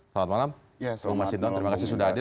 selamat malam bung mas sinton terima kasih sudah ada